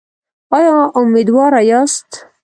ایا امیدواره یاست؟